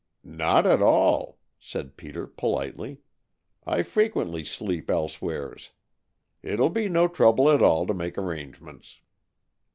"Not at all," said Peter politely. "I frequently sleep elsewheres. It'll be no trouble at all to make arrangements."